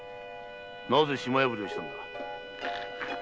なぜ島破りをしたんだ。